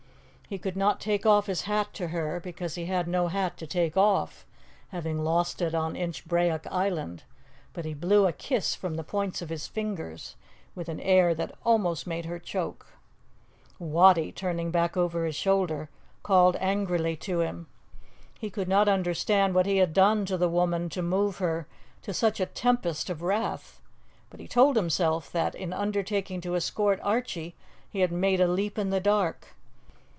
He could not take off his hat to her because he had no hat to take off, having lost it on Inchbrayock Island, but he blew a kiss from the points of his fingers with an air that almost made her choke. Wattie, looking back over his shoulder, called angrily to him. He could not understand what he had done to the woman to move her to such a tempest of wrath, but he told himself that, in undertaking to escort Archie, he had made a leap in the dark.